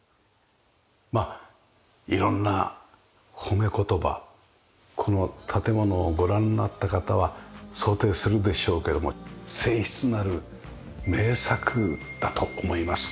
まあ色んな褒め言葉この建物をご覧になった方は想定するでしょうけども静謐なる名作だと思います。